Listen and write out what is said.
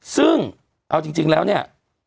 ซึ่งเอาจริงแล้วเนี่ย